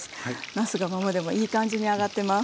なすがままでもいい感じに揚がってます。